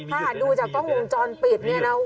ถ้าหากดูจากกล้องมุมจอลปิดนะครับ